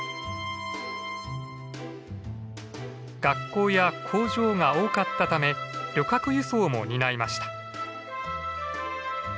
学校や工場が多かったため旅客輸送も担いました。